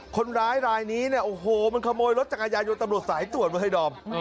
คนร้ายรายนี้เนี่ยโอ้โหมันขโมยรถจักรยายนตำรวจสายตรวจไว้ให้ดอม